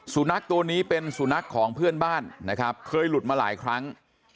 สุนัขตัวนี้เป็นสุนัขของเพื่อนบ้านนะครับเคยหลุดมาหลายครั้ง